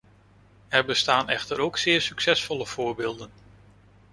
Er bestaan echter ook zeer succesvolle voorbeelden.